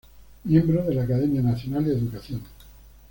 Miembro de la Academia Nacional de Educación.